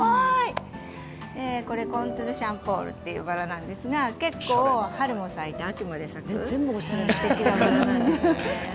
これコンテドゥシャンポールっていうバラなんですが結構、春も咲いて秋まで咲くすてきなバラなんですよね。